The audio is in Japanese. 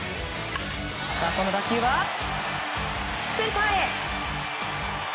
この打球はセンターへ！